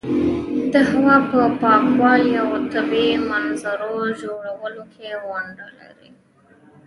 د هوا په پاکوالي او طبیعي منظرو جوړولو کې ونډه لري.